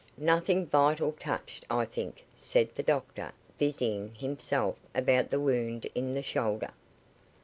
"Nothing vital touched, I think," said the doctor, busying himself about the wound in the shoulder.